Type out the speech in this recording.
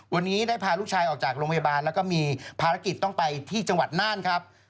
วันนี้ได้พาลูกชายออกจากโรงพยาบาลแล้วก็มีภารกิจต้องไปที่จังหวัดน่านครับ